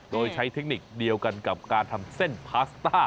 โดยใช้เทคนิคเดียวกันกับการทำเส้นพาสต้า